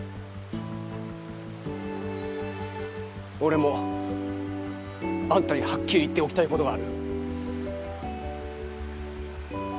俺もあんたにはっきり言っておきたい事がある。